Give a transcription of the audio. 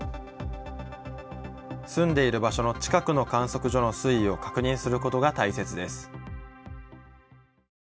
住んでいる場所の近くの観測所の水位を確認することが大切です。